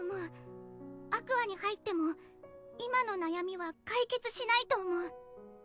Ａｑｏｕｒｓに入っても今の悩みは解決しないと思う。